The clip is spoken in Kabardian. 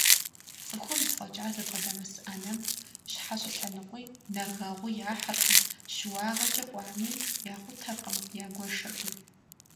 ЦӀыхубз фӀэкӀа зыбгъэдэмыс Ӏэнэм щхьэ щӀэлъэныкъуи, нэгэгъуи яхьыркъым, щыуагъэкӀэ кӀуами, якъутэркъым, ягуэшыркъым.